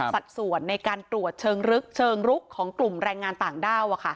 สัดส่วนในการตรวจเชิงลึกเชิงลุกของกลุ่มแรงงานต่างด้าว